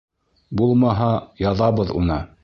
Булмаһа, яҙабыҙ уны!